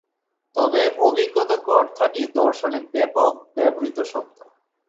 তবে অভিজ্ঞতা কথাটি দর্শনে ব্যাপক ব্যবহৃত শব্দ।